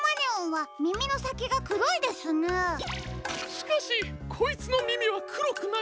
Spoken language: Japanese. しかしこいつのみみはくろくない。